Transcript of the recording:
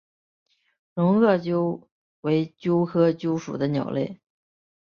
绒额䴓为䴓科䴓属的鸟类。